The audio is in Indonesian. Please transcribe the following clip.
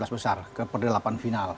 enam belas besar ke perdelapan final